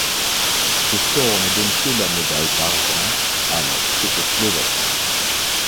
Ce score ne donne que la médaille d'argent à la Tchécoslovaquie.